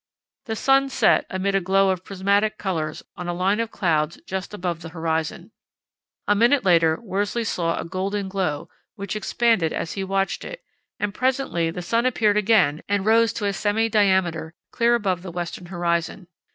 The sun set amid a glow of prismatic colours on a line of clouds just above the horizon. A minute later Worsley saw a golden glow, which expanded as he watched it, and presently the sun appeared again and rose a semi diameter clear above the western horizon.